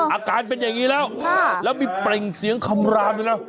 อาการเป็นอย่างนี้แล้วแล้วมีเปล่งเสียงคำรามด้วยนะ